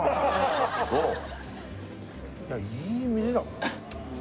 そういやいい店だ